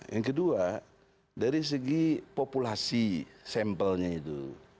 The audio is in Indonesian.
yang kedua dari segi populasi sampelnya itu